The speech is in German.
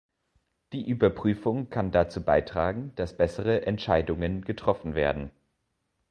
Die Überprüfung kann dazu beitragen, dass bessere Entscheidungen getroffen werden.